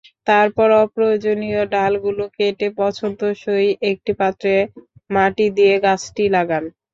তারপর অপ্রয়োজনীয় ডালগুলো কেটে পছন্দসই একটি পাত্রে মাটি দিয়ে গাছটি লাগান।